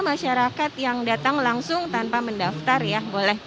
masyarakat yang datang langsung tanpa mendaftar ya boleh